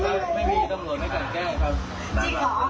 ร้านเราก็ปิดแล้ว